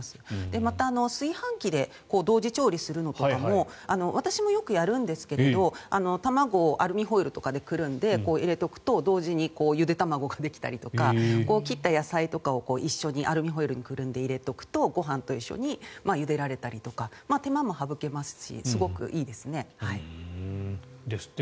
また、炊飯器で同時調理するのとかも私もよくやるんですが卵をアルミホイルとかでくるんで入れておくと同時にゆで卵ができたりとか切った野菜とかを一緒にアルミホイルにくるんで入れておくとご飯と一緒にゆでられたりとか手間も省けますしすごくいいですね。